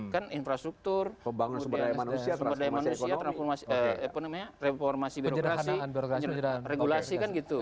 kan infrastruktur kemudian sumber daya manusia reformasi birokrasi regulasi kan gitu